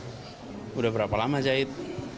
sudah berapa lama jahit